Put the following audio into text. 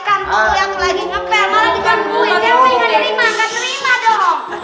ya mpo yang hadirin mah gak terima dong